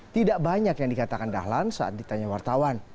tidak banyak yang dikatakan dahlan saat ditanya wartawan